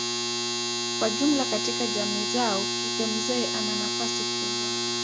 Kwa jumla katika jamii zao kike mzee ana nafasi kubwa.